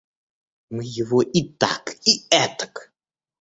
Мы его и так и этак...